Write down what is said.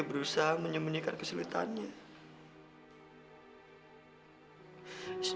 mau bayar fisioterapi antoni pakai cara apa lagi